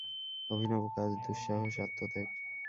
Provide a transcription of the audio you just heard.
অভিনব কাজ, দুঃসাহস, আত্মত্যাগ।